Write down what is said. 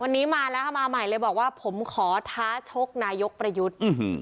วันนี้มาแล้วค่ะมาใหม่เลยบอกว่าผมขอท้าชกนายกประยุทธ์